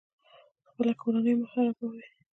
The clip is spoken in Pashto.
خپله کورنۍ مه خرابوئ